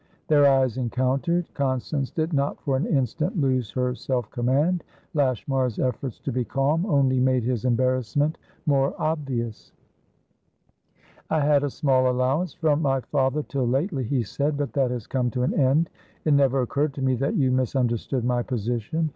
Their eyes encountered. Constance did not for an instant lose her self command; Lashmar's efforts to be calm only made his embarrassment more obvious. "I had a small allowance from my father till lately," he said. "But that has come to an end. It never occurred to me that you misunderstood my position.